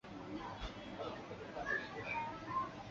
现在这一地区还有母语属于达罗毗荼语系的布拉灰人。